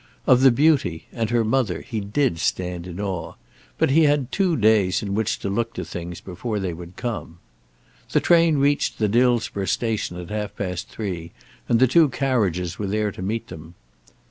Of the beauty and her mother he did stand in awe; but he had two days in which to look to things before they would come. The train reached the Dillsborough Station at half past three, and the two carriages were there to meet them.